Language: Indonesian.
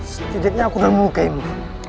secudetnya aku dan mukaimu